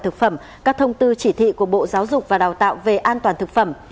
các thông tư chỉ thị của bộ giáo dục và đào tạo về an toàn thực phẩm